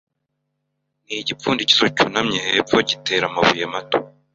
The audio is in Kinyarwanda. ni igipfundikizo cyunamye hepfo gitera amabuye mato